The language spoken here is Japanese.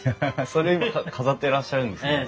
それを飾ってらっしゃるんですね。